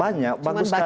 banyak bagus sekali